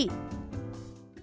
mandi disana tidak boleh